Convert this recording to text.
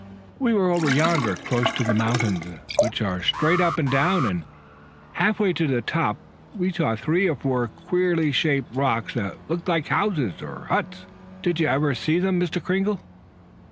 "We were over yonder, close to the mountains, which are straight up and down, and half way to the top, we saw three or four queerly shaped rocks that looked like houses or huts. Did you ever see them, Mr. Kringle?"